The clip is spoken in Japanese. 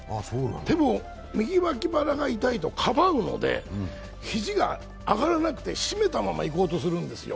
でも右脇腹が痛いとかばうので締めたままいこうとするんですよ。